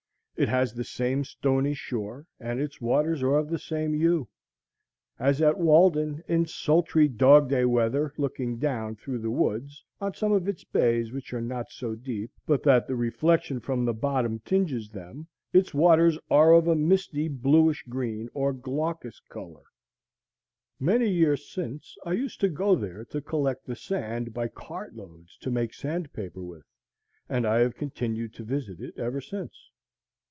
It has the same stony shore, and its waters are of the same hue. As at Walden, in sultry dog day weather, looking down through the woods on some of its bays which are not so deep but that the reflection from the bottom tinges them, its waters are of a misty bluish green or glaucous color. Many years since I used to go there to collect the sand by cart loads, to make sand paper with, and I have continued to visit it ever since.